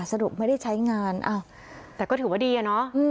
สรุปไม่ได้ใช้งานแต่ก็ถือว่าดีอะเนาะ